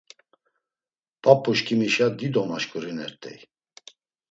P̌ap̌uşǩimişa dido maşǩurinert̆ey.